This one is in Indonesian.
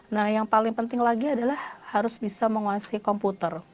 nah yang paling penting lagi adalah harus bisa menguasai komputer